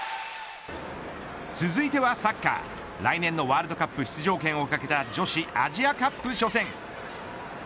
続いてはサッカー来年のワールドカップ出場権を懸けた女子アジアカップ初戦。